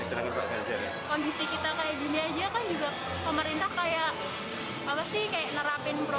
kita kan juga lagi corona